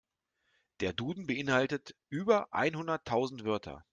Der Duden beeinhaltet über einhunderttausend Wörter.